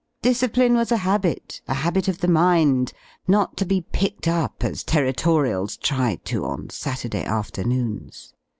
Discipline was a habit ^ a habit of the mind^ not to be picked up as Territorials tried to on Saturday afternoons.